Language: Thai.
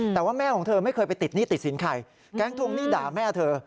แต่ว่าแม่ของเธอไม่เคยไปติดหนี้ติดสินใครแก๊งทวงหนี้ด่าแม่เธอ